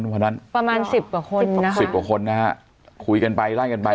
วันนั้นประมาณสิบกว่าคนนะคะสิบกว่าคนนะฮะคุยกันไปไล่กันไป